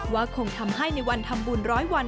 ว่าคงทำให้ในวันทำบุญร้อยวัน